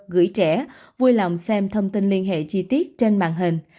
gửi trẻ vui lòng xem thông tin liên hệ chi tiết trên màn hình